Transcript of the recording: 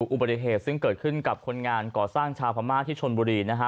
อุบัติเหตุซึ่งเกิดขึ้นกับคนงานก่อสร้างชาวพม่าที่ชนบุรีนะฮะ